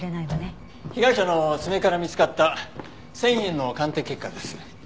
被害者の爪から見つかった繊維片の鑑定結果です。